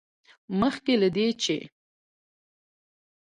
مخکې له دې، چې